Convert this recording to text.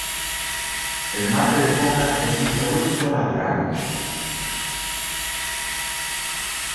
El mate de coca es un producto natural.